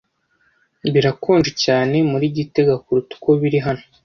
Birakonje cyane muri gitega kuruta uko biri hano.